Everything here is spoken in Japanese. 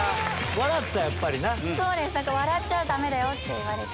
笑っちゃダメだよって言われて。